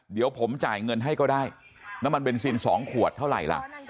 เดี๋ยวผมจ่ายเงินให้ก็ได้น้ำมันเบนซิน๒ขวดเท่าไหร่ล่ะ